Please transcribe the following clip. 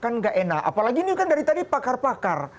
kan nggak enak apalagi ini kan dari tadi pakar pakar